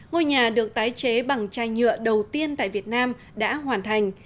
ngôi nhà được tái chế bằng chai nhựa đầu tiên tại việt nam đã hoàn thành